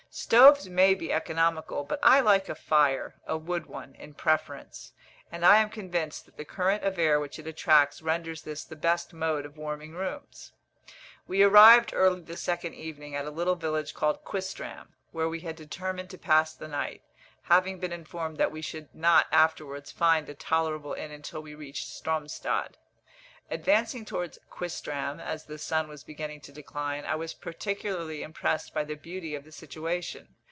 Stoves may be economical, but I like a fire, a wood one, in preference; and I am convinced that the current of air which it attracts renders this the best mode of warming rooms. We arrived early the second evening at a little village called Quistram, where we had determined to pass the night, having been informed that we should not afterwards find a tolerable inn until we reached Stromstad. Advancing towards Quistram, as the sun was beginning to decline, I was particularly impressed by the beauty of the situation.